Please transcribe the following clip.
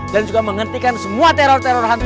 dan juga menghentikan semua teror teror hantu